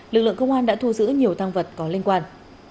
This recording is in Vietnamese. lực lượng công an đã thu giữ nhiều tăng vật có liên quan